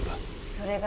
それが